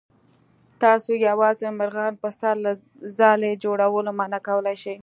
تاسو یوازې مرغان په سر له ځالې جوړولو منع کولی شئ.